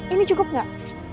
ini cukup nggak